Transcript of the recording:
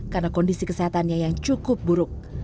karena kondisi kesehatannya yang cukup buruk